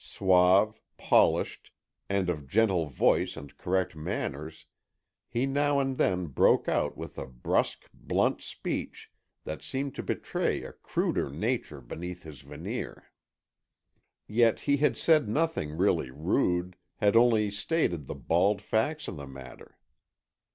Suave, polished, and of gentle voice and correct manners, he now and then broke out with a brusque, blunt speech that seemed to betray a cruder nature beneath his veneer. Yet he had said nothing really rude, had only stated the bald facts of the matter.